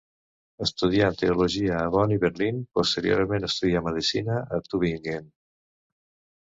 Estudià teologia a Bonn i Berlín, posteriorment estudià Medicina a Tübingen.